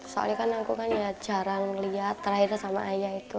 soalnya kan aku jarang melihat terakhir sama ayah itu